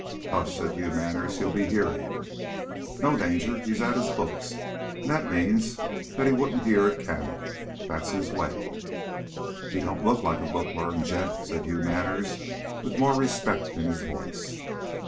"Hush," said Hugh Manners. "He'll be hearing." "No danger. He's at his books, and that means that he wouldn't hear a cannon. That's his way." "He don't look like a book learned gent," said Hugh Manners with more respect in his voice.